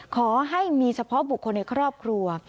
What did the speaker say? ขอให้มีเฉพาะบุคคลในครอบครัว